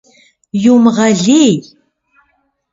Иумыгъэлей!